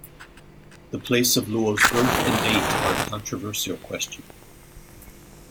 The place of Luo's birth and date are a controversial question.